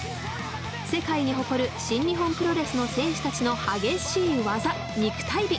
世界に誇る新日本プロレスの選手たちの激しい技肉体美！